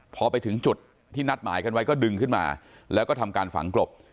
พอไปถึงจุดที่นัดหมายกันไว้ก็ดึงขึ้นมาแล้วก็ทำการฝังกลบ